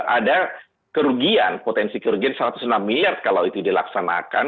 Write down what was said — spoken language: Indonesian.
ada kerugian potensi kerugian satu ratus enam miliar kalau itu dilaksanakan